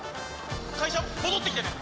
会社戻ってきてね。